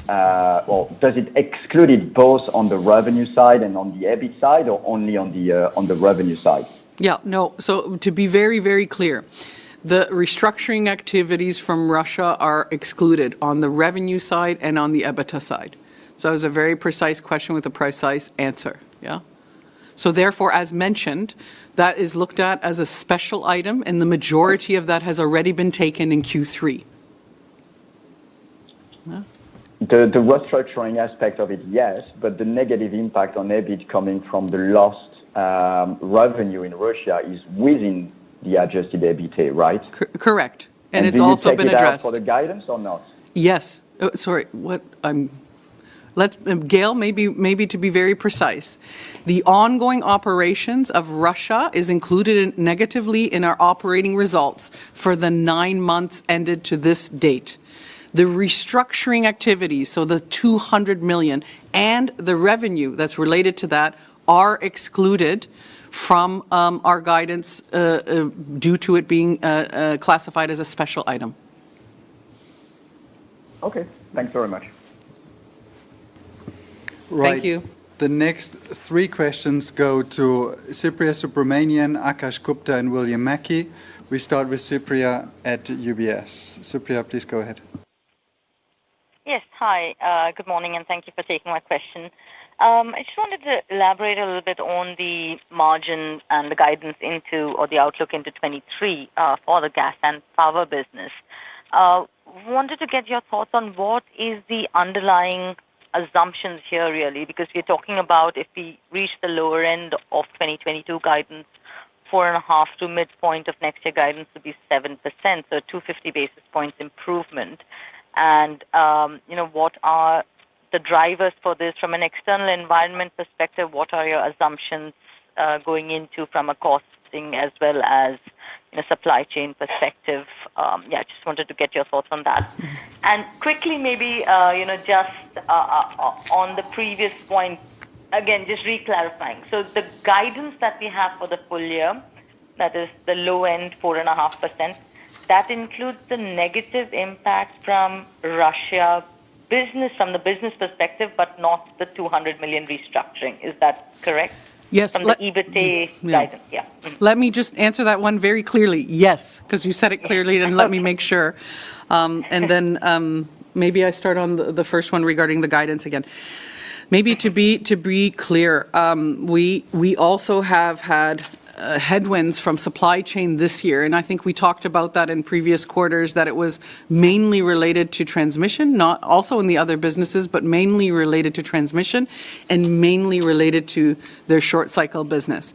does it exclude it both on the revenue side and on the EBIT side or only on the revenue side? Yeah, no. To be very, very clear, the restructuring activities from Russia are excluded on the revenue side and on the EBITDA side. It was a very precise question with a precise answer, yeah? Therefore, as mentioned, that is looked at as a special item, and the majority of that has already been taken in Q3. The restructuring aspect of it, yes. The negative impact on EBIT coming from the lost revenue in Russia is within the adjusted EBITA, right? Correct. It's also been addressed. Do you take it out for the guidance or not? Yes. Oh, sorry. Let's, and Gael, maybe to be very precise, the ongoing operations of Russia is included in, negatively in our operating results for the nine months ended to this date. The restructuring activity, so the 200 million and the revenue that's related to that, are excluded from our guidance due to it being classified as a special item. Okay. Thanks very much. Thank you. Right. The next three questions go to Supriya Subramanian, Akash Gupta, and William Mackie. We start with Supriya at UBS. Supriya, please go ahead. Yes. Hi, good morning, and thank you for taking my question. I just wanted to elaborate a little bit on the margin and the guidance or the outlook into 2023 for the Gas and Power business. Wanted to get your thoughts on what the underlying assumptions here really are, because you're talking about if we reach the lower end of 2022 guidance, 4.5% to midpoint of next year guidance would be 7%, so 250 basis points improvement. You know, what are the drivers for this from an external environment perspective? What are your assumptions going into from a costing as well as in a supply chain perspective? Yeah, just wanted to get your thoughts on that. Mm-hmm. Quickly, maybe, you know, just on the previous point, again, just re-clarifying. The guidance that we have for the full year, that is the low-end 4.5%, that includes the negative impact from Russia business, from the business perspective, but not the 200 million restructuring. Is that correct? Yes. From the EBITA- Yeah. Guidance. Yeah. Let me just answer that one very clearly. Yes. 'Cause you said it clearly. Yeah. Okay. Let me make sure. Then, maybe I start on the first one regarding the guidance again. Maybe to be clear, we also have had headwinds from supply chain this year, and I think we talked about that in previous quarters, that it was mainly related to transmission, not also in the other businesses, but mainly related to transmission and mainly related to their short-cycle business.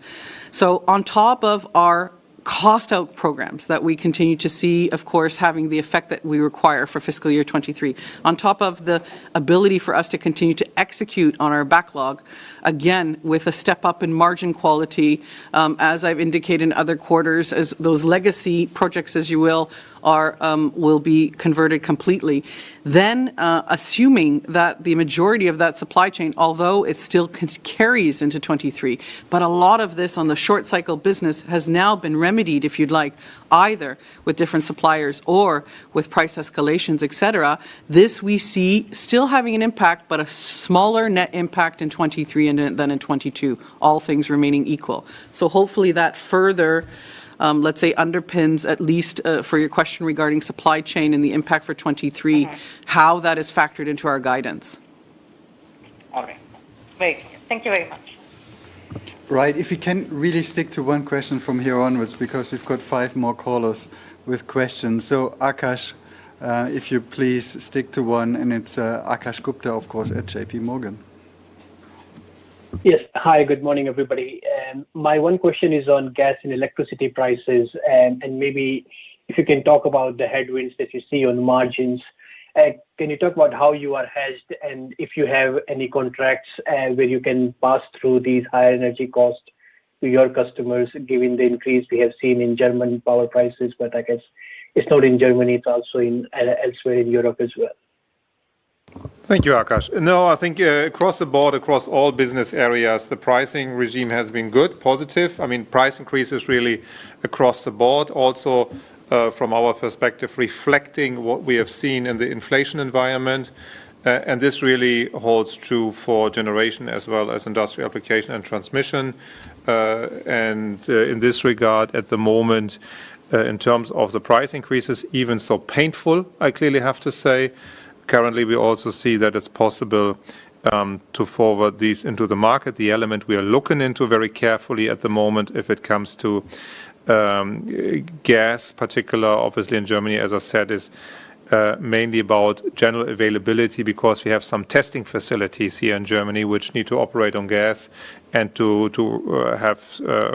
On top of our cost-out programs that we continue to see, of course, having the effect that we require for fiscal year 2023, on top of the ability for us to continue to execute on our backlog, again, with a step up in margin quality, as I've indicated in other quarters, as those legacy projects, as you will be converted completely. Assuming that the majority of that supply chain, although it still carries into 2023, but a lot of this on the short cycle business has now been remedied, if you'd like, either with different suppliers or with price escalations, et cetera. This we see still having an impact, but a smaller net impact in 2023 and then in 2022, all things remaining equal. Hopefully that further, let's say, underpins at least, for your question regarding supply chain and the impact for 2023. Okay. How that is factored into our guidance. All right. Great. Thank you very much. Right. If you can really stick to one question from here onwards, because we've got five more callers with questions. Akash, if you please stick to one, and it's, Akash Gupta, of course, at JPMorgan. Yes. Hi, good morning, everybody. My one question is on gas and electricity prices and maybe if you can talk about the headwinds that you see on margins. Can you talk about how you are hedged and if you have any contracts where you can pass through these higher energy costs to your customers given the increase we have seen in German power prices, but I guess it's not in Germany, it's also in elsewhere in Europe as well. Thank you, Akash. No, I think across the board, across all business areas, the pricing regime has been good, positive. I mean, price increases really across the board also from our perspective, reflecting what we have seen in the inflation environment. This really holds true for generation as well as industrial application and transmission. In this regard at the moment, in terms of the price increases, even so painful, I clearly have to say, currently we also see that it's possible to forward these into the market. The element we are looking into very carefully at the moment if it comes to gas, particularly, obviously in Germany, as I said, is mainly about general availability because we have some testing facilities here in Germany which need to operate on gas and to have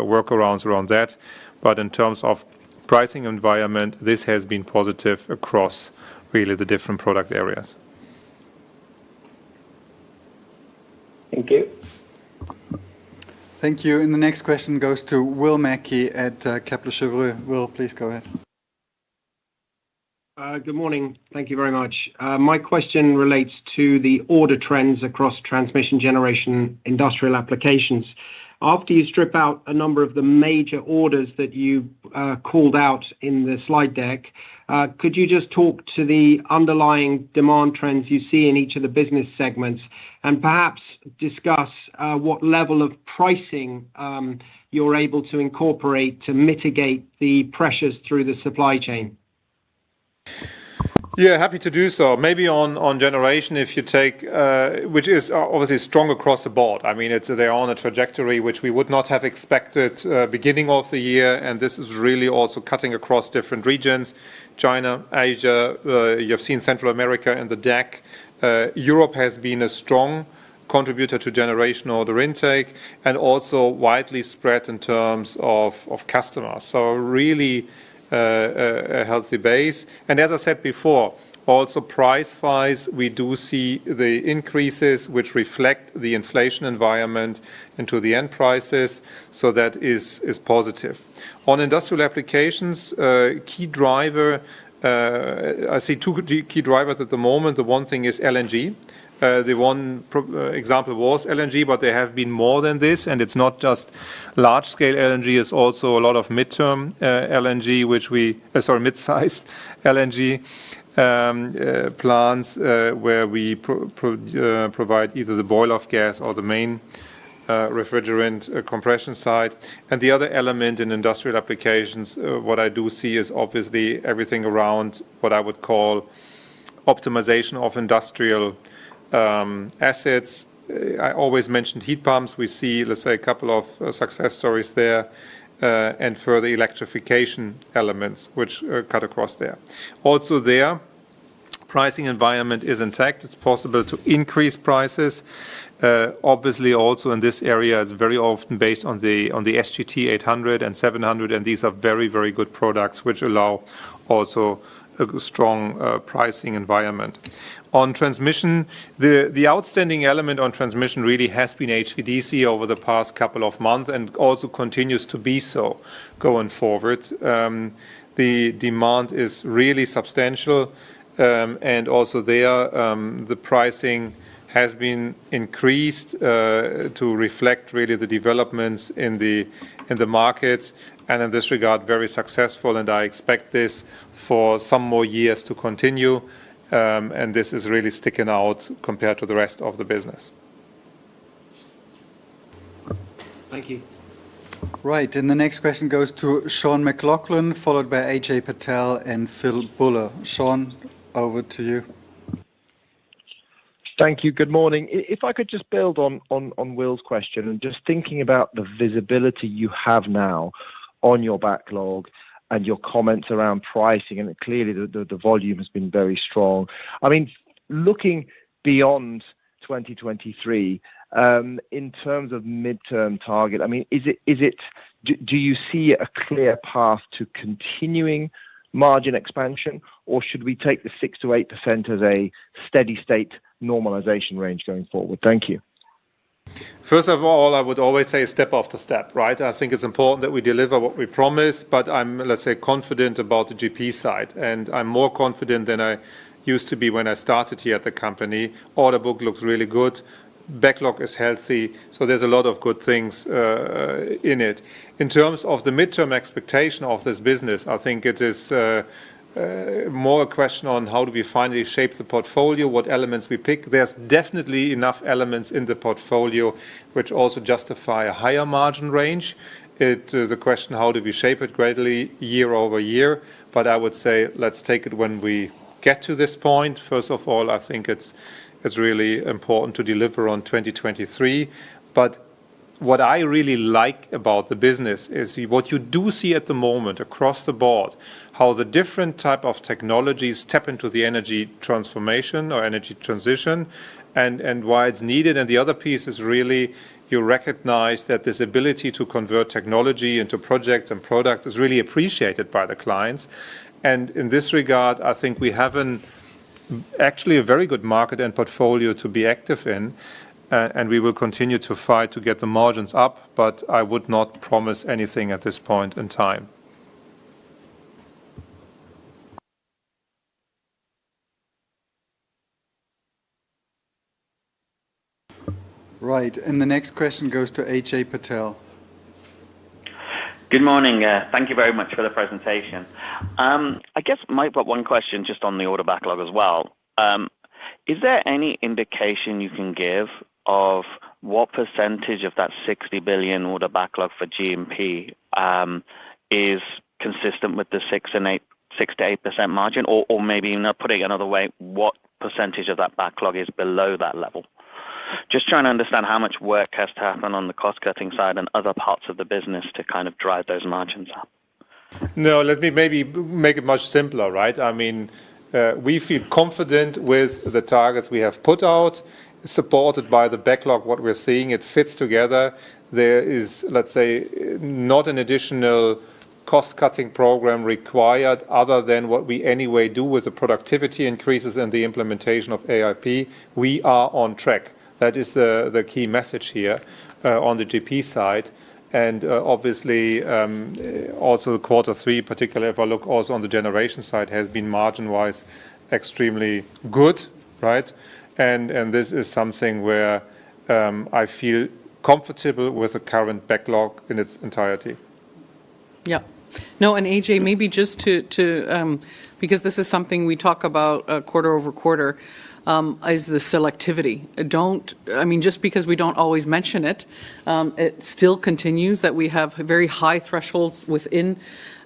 workarounds around that. In terms of pricing environment, this has been positive across really the different product areas. Thank you. Thank you. The next question goes to Will Mackie at Kepler Cheuvreux. Will, please go ahead. Good morning. Thank you very much. My question relates to the order trends across transmission generation industrial applications. After you strip out a number of the major orders that you called out in the slide deck, could you just talk to the underlying demand trends you see in each of the business segments, and perhaps discuss what level of pricing you're able to incorporate to mitigate the pressures through the supply chain? Yeah, happy to do so. Maybe on generation, if you take which is obviously strong across the board. I mean, it's. They're on a trajectory which we would not have expected beginning of the year, and this is really also cutting across different regions, China, Asia, you have seen Central America and the DACH. Europe has been a strong contributor to generation order intake, and also widely spread in terms of customers. So really, a healthy base. As I said before, also price-wise, we do see the increases which reflect the inflation environment into the end prices, so that is positive. On industrial applications, key driver, I see two key drivers at the moment. The one thing is LNG. The one example was LNG, but there have been more than this, and it's not just large scale LNG, it's also a lot of mid-sized LNG plants, where we provide either the boil-off gas or the main refrigerant compression side. The other element in industrial applications, what I do see is obviously everything around what I would call optimization of industrial assets. I always mention heat pumps. We see, let's say, a couple of success stories there, and further electrification elements which cut across there. Also, their pricing environment is intact. It's possible to increase prices. Obviously, also in this area, it's very often based on the SGT-800 and 700, and these are very, very good products which allow also a strong pricing environment. On transmission, the outstanding element on transmission really has been HVDC over the past couple of months, and also continues to be so going forward. The demand is really substantial, and also there, the pricing has been increased, to reflect really the developments in the markets, and in this regard, very successful, and I expect this for some more years to continue, and this is really sticking out compared to the rest of the business. Thank you. Right. The next question goes to Sean McLoughlin, followed by Ajay Patel and Philip Buller. Sean, over to you. Thank you. Good morning. If I could just build on Will's question, and just thinking about the visibility you have now on your backlog and your comments around pricing, and clearly the volume has been very strong. I mean, looking beyond 2023, in terms of midterm target, I mean, do you see a clear path to continuing margin expansion, or should we take the 6%-8% as a steady state normalization range going forward? Thank you. First of all, I would always say step after step, right? I think it's important that we deliver what we promise, but I'm, let's say, confident about the GP side, and I'm more confident than I used to be when I started here at the company. Order book looks really good. Backlog is healthy. So there's a lot of good things in it. In terms of the midterm expectation of this business, I think it is more a question on how do we finally shape the portfolio, what elements we pick. There's definitely enough elements in the portfolio which also justify a higher margin range. It is a question how do we shape it gradually year over year, but I would say, let's take it when we get to this point. First of all, I think it's really important to deliver on 2023. What I really like about the business is what you do see at the moment across the board, how the different type of technologies tap into the energy transformation or energy transition, and why it's needed. The other piece is really you recognize that this ability to convert technology into projects and product is really appreciated by the clients. In this regard, I think we have an actually a very good market and portfolio to be active in, and we will continue to fight to get the margins up, but I would not promise anything at this point in time. Right. The next question goes to Ajay Patel. Good morning. Thank you very much for the presentation. I guess might put one question just on the order backlog as well. Is there any indication you can give of what percentage of that 60 billion order backlog for GP is consistent with the 6%-8% margin, or maybe, you know, put it another way, what percentage of that backlog is below that level? Just trying to understand how much work has to happen on the cost-cutting side and other parts of the business to kind of drive those margins up. No, let me maybe make it much simpler, right? I mean, we feel confident with the targets we have put out, supported by the backlog, what we're seeing. It fits together. There is, let's say, not an additional cost-cutting program required other than what we anyway do with the productivity increases and the implementation of AIP. We are on track. That is the key message here, on the GP side. Obviously, also the quarter three, particularly if I look also on the generation side, has been margin-wise extremely good, right? This is something where I feel comfortable with the current backlog in its entirety. Yeah. No, AJ, maybe just because this is something we talk about quarter-over-quarter is the selectivity. I mean, just because we don't always mention it still continues that we have very high thresholds within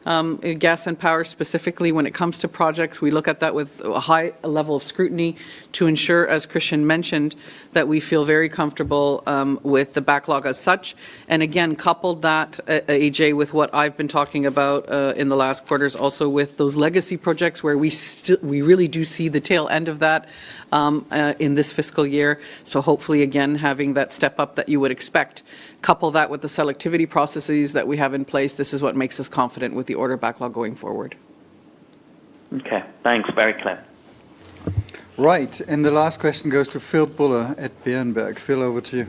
Gas and Power specifically. When it comes to projects, we look at that with a high level of scrutiny to ensure, as Christian mentioned, that we feel very comfortable with the backlog as such. Again, couple that, AJ, with what I've been talking about in the last quarters also with those legacy projects where we really do see the tail end of that in this fiscal year. Hopefully, again, having that step up that you would expect. Couple that with the selectivity processes that we have in place, this is what makes us confident with the order backlog going forward. Okay. Thanks. Very clear. Right. The last question goes to Philip Buller at Berenberg. Phil, over to you.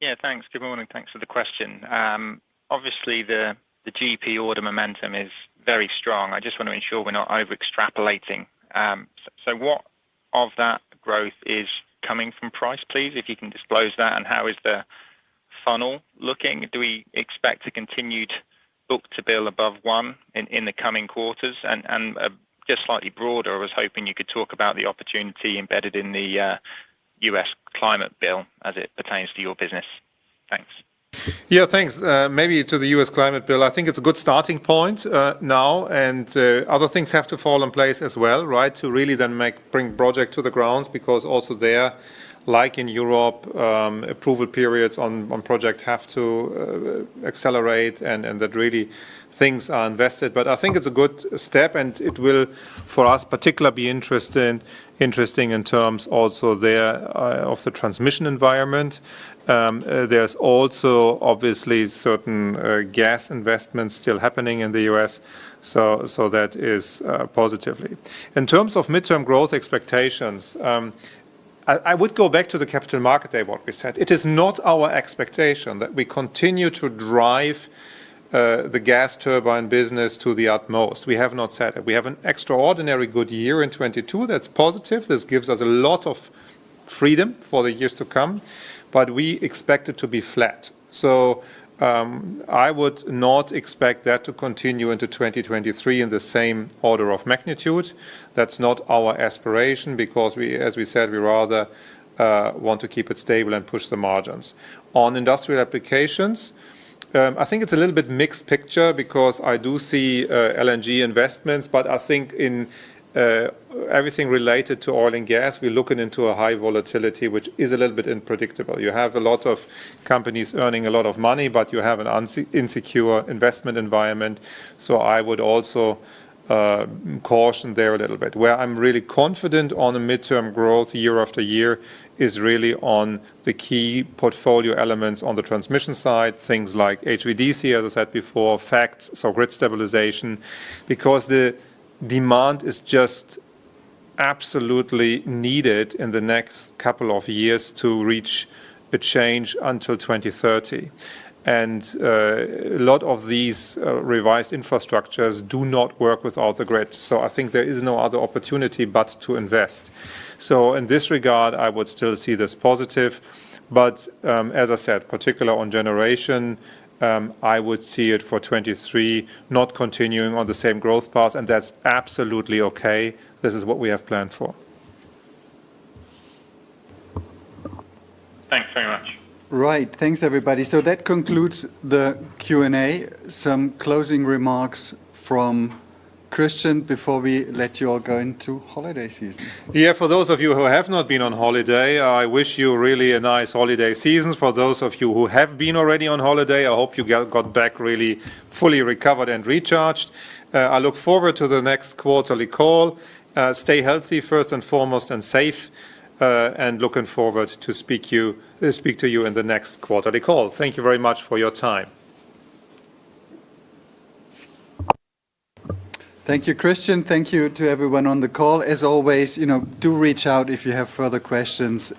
Yeah, thanks. Good morning, thanks for the question. Obviously, the GP order momentum is very strong. I just want to ensure we're not over-extrapolating. So what of that growth is coming from price, please? If you can disclose that, and how is the funnel looking? Do we expect a continued book-to-bill above one in the coming quarters? Just slightly broader, I was hoping you could talk about the opportunity embedded in the U.S. climate bill as it pertains to your business. Thanks. Yeah, thanks. Maybe to the U.S. climate bill, I think it's a good starting point now, and other things have to fall in place as well, right? To really then bring projects to the ground, because also there, like in Europe, approval periods on projects have to accelerate and that really things are invested. I think it's a good step, and it will, for us particularly, be interesting in terms also there of the transmission environment. There's also obviously certain gas investments still happening in the U.S., so that is positively. In terms of midterm growth expectations, I would go back to the Capital Market Day, what we said. It is not our expectation that we continue to drive the gas turbine business to the utmost. We have not said it. We have an extraordinary good year in 2022. That's positive. This gives us a lot of freedom for the years to come, but we expect it to be flat. I would not expect that to continue into 2023 in the same order of magnitude. That's not our aspiration because we, as we said, we rather want to keep it stable and push the margins. On industrial applications, I think it's a little bit mixed picture because I do see LNG investments, but I think in everything related to oil and gas, we're looking into a high volatility, which is a little bit unpredictable. You have a lot of companies earning a lot of money, but you have an insecure investment environment. I would also caution there a little bit. Where I'm really confident on the midterm growth year after year is really on the key portfolio elements on the transmission side, things like HVDC, as I said before, FACTS, so grid stabilization. Because the demand is just absolutely needed in the next couple of years to reach a change until 2030. A lot of these revised infrastructures do not work without the grid. I think there is no other opportunity but to invest. In this regard, I would still see this positive. As I said, particular on generation, I would see it for 2023 not continuing on the same growth path, and that's absolutely okay. This is what we have planned for. Thanks very much. Right. Thanks, everybody. That concludes the Q&A. Some closing remarks from Christian before we let you all go into holiday season. Yeah. For those of you who have not been on holiday, I wish you really a nice holiday season. For those of you who have been already on holiday, I hope you got back really fully recovered and recharged. I look forward to the next quarterly call. Stay healthy, first and foremost, and safe, and looking forward to speak to you in the next quarterly call. Thank you very much for your time. Thank you, Christian. Thank you to everyone on the call. As always, you know, do reach out if you have further questions.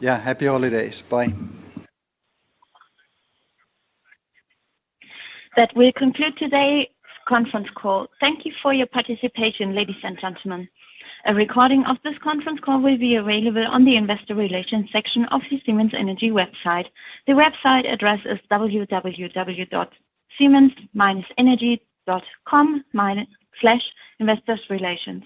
Yeah, happy holidays. Bye. That will conclude today's conference call. Thank you for your participation ladies and gentlemen. A recording of this conference call will be available on the investor relations section of the Siemens Energy website. The website address is www.siemens-energy.com/investor-relations.